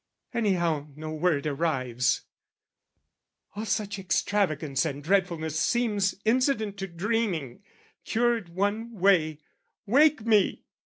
Anyhow, no word arrives. "All such extravagance and dreadfulness "Seems incident to dreaming, cured one way, "Wake me!